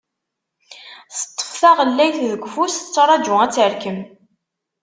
Teṭṭef taɣellayt deg ufus, tettraju ad terkem.